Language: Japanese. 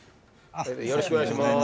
よろしくお願いします。